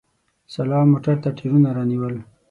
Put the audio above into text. سلام موټر ته ټیرونه رانیول!